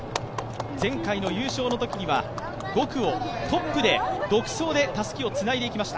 前回の優勝のときには５区をトップで独走でたすきをつないでいきました。